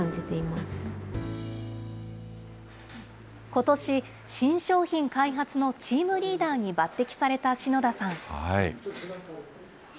ことし、新商品開発のチームリーダーに抜てきされた信田さん。